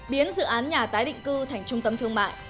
biến dự án nhà tái định cư thành trung tâm thương mại